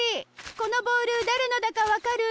このボールだれのだかわかる？